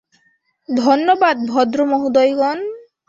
ধন্যবাদ, ভদ্রমহোদয়গণ।